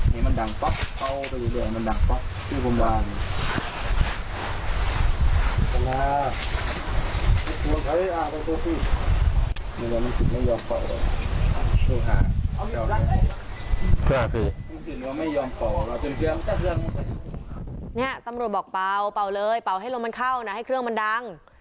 นี่ตำรวจบอกเป่าเป่าเลยเป่าให้ลมมันเข้านะให้เครื่องมันดัง